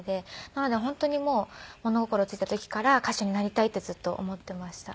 なので本当にもう物心ついた時から歌手になりたいってずっと思ってました。